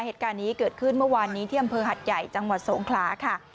เหตุการณ์นี้เกิดขึ้นเมื่อวานนี้ที่อำเภอหัดใหญ่จังหวัดสงขลาค่ะ